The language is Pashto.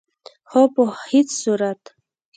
خو په هيڅ صورت